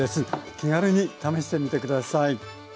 気軽に試してみてください。